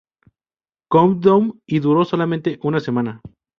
Countdown y duró solamente una semana.